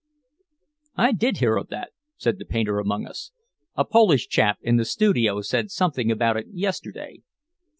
"I did hear of that," said the painter among us. "A Polish chap in the studio said something about it yesterday."